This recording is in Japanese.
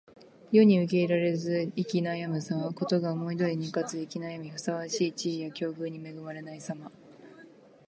世に受け入れられず行き悩むさま。事が思い通りにいかず行き悩み、ふさわしい地位や境遇に恵まれないさま。